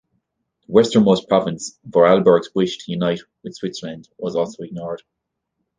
The westernmost province Vorarlberg's wish to unite with Switzerland was also ignored.